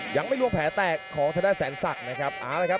ยังไม่ร่วงแผลแตกของทดาสรรศักดิ์นะครับ